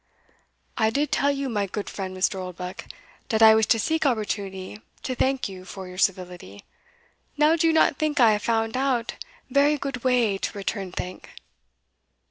"I did tell you, my goot friend, Mr. Oldenbuck, dat I was to seek opportunity to thank you for your civility; now do you not think I have found out vary goot way to return thank?"